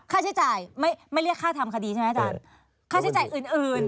ค่าใช้จ่ายไม่ไม่เรียกค่าทำคดีใช่ไหมอาจารย์ค่าใช้จ่ายอื่นอื่น